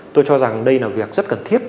tôi cho rằng đây là việc rất cần thiết